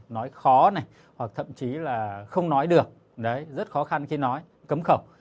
nói khó này hoặc thậm chí là không nói được rất khó khăn khi nói cấm khẩu